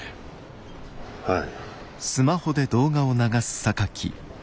はい。